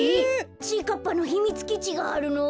ちぃかっぱのひみつきちがあるの？